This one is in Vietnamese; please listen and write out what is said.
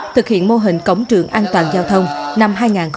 thực hiện mô hình cổng trường an toàn giao thông năm hai nghìn hai mươi